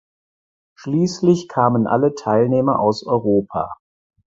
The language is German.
Schließlich kamen alle Teilnehmer aus Europa.